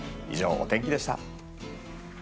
以上、お天気でした。